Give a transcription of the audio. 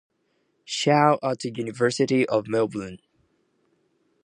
Shaw at the University of Melbourne.